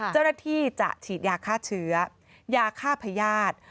เจ้าหน้าที่จะฉีดยาฆ่าเชื้อยาฆ่าพญาติ